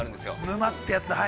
◆沼ってやつだ。